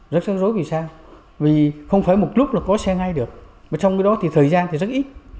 rất sáng rối vì sao vì không phải một lúc là có xe ngay được mà trong khi đó thì thời gian thì rất ít